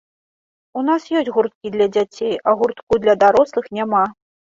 У нас ёсць гурткі для дзяцей, а гуртку для дарослых няма.